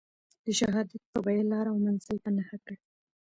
د شهادت په بیه لار او منزل په نښه کړ.